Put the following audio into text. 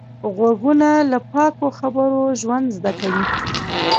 غوږونه له پاکو خبرو ژوند زده کوي